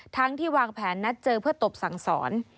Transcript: ที่วางแผนนัดเจอเพื่อตบสั่งสอน